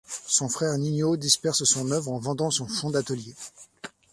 Son frère Nino disperse son œuvre en vendant son fonds d'atelier.